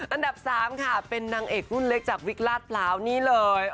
อันดับ๓ค่ะเป็นนางเอกรุ่นเล็กจากวิกลาดพร้าวนี่เลย